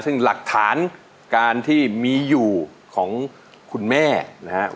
ซึ่งหลักฐานการที่มีอยู่ของคุณแม่นะครับ